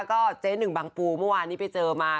ก็เจ๊หนึ่งบางปูเมื่อวานนี้ไปเจอมา